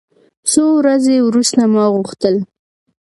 څو ورځې وروسته ما غوښتل.